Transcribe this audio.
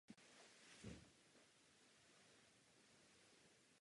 Tím ovšem ztratila svou funkci a v sedmnáctém století zanikla.